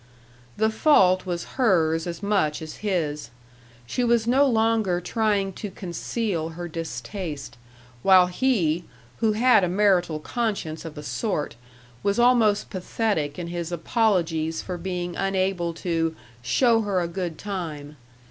The fault was hers as much as his. She was no longer trying to conceal her distaste, while he, who had a marital conscience of a sort, was almost pathetic in his apologies for being unable to "show her a good time."